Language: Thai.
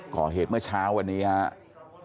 ขอเหตุโมสตร์เช้าวันนี้ครับ